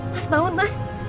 mas bangun mas